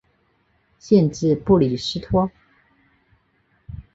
县治布里斯托。